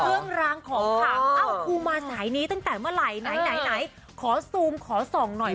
เครื่องรางของขังเอ้าครูมาสายนี้ตั้งแต่เมื่อไหร่ไหนไหนขอซูมขอส่องหน่อย